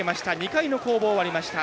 ２回の攻防、終わりました。